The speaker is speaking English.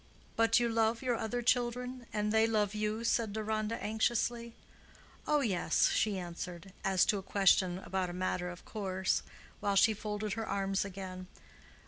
"But you love your other children, and they love you?" said Deronda, anxiously. "Oh, yes," she answered, as to a question about a matter of course, while she folded her arms again.